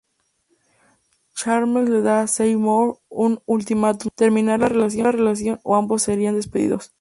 Chalmers le da a Seymour un ultimátum: terminar la relación o ambos serían despedidos.